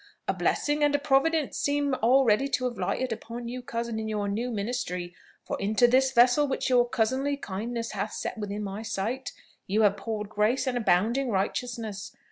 A blessing and a providence seem already to have lighted upon you, cousin, in your new ministry, for into this vessel which your cousinly kindness hath set within my sight, you have poured grace and abounding righteousness.